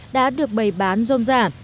đã được bày bán rôm rả